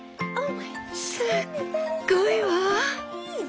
すっごいわ！